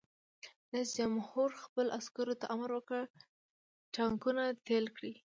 رئیس جمهور خپلو عسکرو ته امر وکړ؛ ټانکونه تېل کړئ!